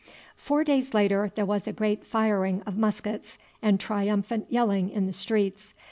Four days later there was a great firing of muskets and triumphant yelling in the streets.